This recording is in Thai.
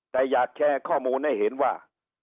แต่อยากแชร์ข้อมูลให้เห็นว่า